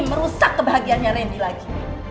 merusak kebahagiaannya randy lagi